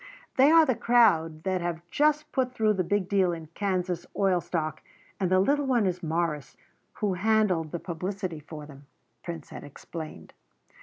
"They are the crowd that have just put through the big deal in Kansas oil stock and the little one is Morris, who handled the publicity for them," Prince had explained.